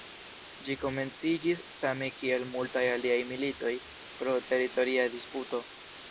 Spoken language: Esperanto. Ĝi komenciĝis same kiel multaj aliaj militoj, pro teritoria disputo.